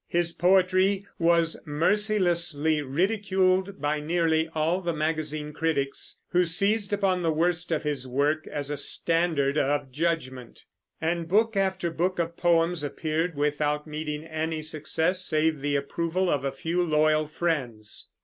His poetry was mercilessly ridiculed by nearly all the magazine critics, who seized upon the worst of his work as a standard of judgment; and book after book of poems appeared without meeting any success save the approval of a few loyal friends.